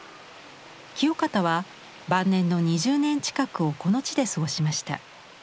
清方は晩年の２０年近くをこの地で過ごしました。